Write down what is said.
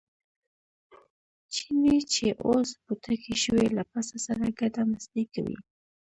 چیني چې اوس بوتکی شوی له پسه سره ګډه مستي کوي.